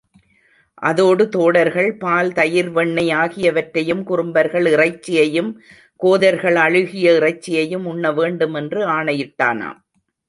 அதோடு, தோடர்கள் பால், தயிர், வெண்ணெய் ஆகியவற்றையும், குறும்பர்கள் இறைச்சியையும், கோதர்கள் அழுகிய இறைச்சியையும் உண்ண வேண்டுமென்று ஆணையிட்டானாம்.